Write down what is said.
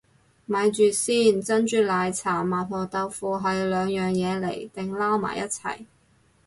咪住先，珍珠奶茶麻婆豆腐係兩樣嘢嚟定撈埋一齊